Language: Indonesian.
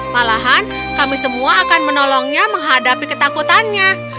malahan kami semua akan menolongnya menghadapi ketakutannya